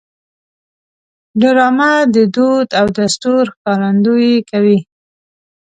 ډرامه د دود او دستور ښکارندویي کوي